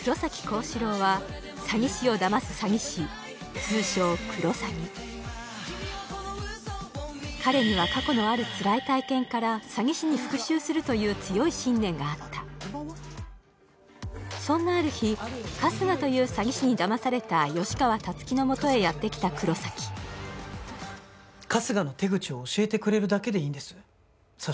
高志郎は詐欺師をだます詐欺師通称クロサギ彼には過去のあるつらい体験から詐欺師に復讐するという強い信念があったそんなある日春日という詐欺師にだまされた吉川辰樹のもとへやってきた黒崎春日の手口を教えてくれるだけでいいんですそ